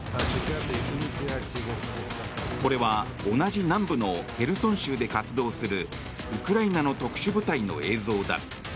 これは同じ南部のヘルソン州で活動するウクライナの特殊部隊の映像だ。